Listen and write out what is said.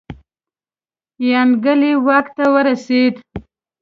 یانګلي واک ته ورسېد.